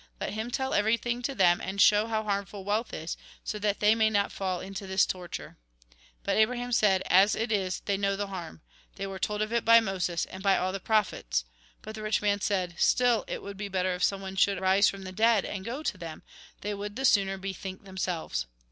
Let him tell everything to them, and show how harmful wealth is ; so that they may not fall into this torture.' But Abraham said :' As it is, they know the harm. They were Lk. xvi. 19. 20. 21. THE FALSE LIFE 85 Lk. xvi. \ Mk. *. 17. 18. 21. told of it by Moses, and by all the prophets.' But the rich man said :' Still, it would be better if someone should rise from the dead, and go to them ; they would the sooner bethink themselves.'